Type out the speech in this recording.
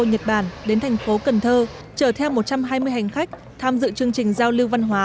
nhật bản đến thành phố cần thơ chở theo một trăm hai mươi hành khách tham dự chương trình giao lưu văn hóa